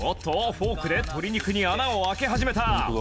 フォークで鶏肉に穴を開け始めた